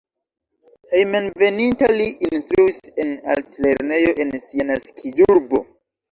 Hejmenveninta li instruis en altlernejo en sia naskiĝurbo.